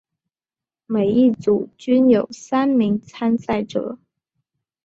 每一组均有三名参赛者。